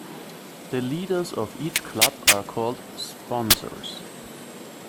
The leaders of each club are called "Sponsors".